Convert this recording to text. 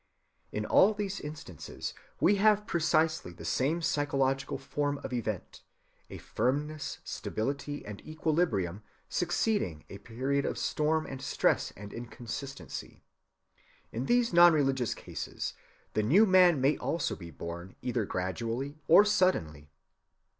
In all these instances we have precisely the same psychological form of event,—a firmness, stability, and equilibrium succeeding a period of storm and stress and inconsistency. In these non‐religious cases the new man may also be born either gradually or suddenly.